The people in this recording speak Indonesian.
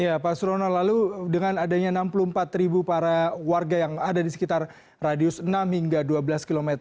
ya pak surono lalu dengan adanya enam puluh empat para warga yang ada di sekitar radius enam hingga dua belas km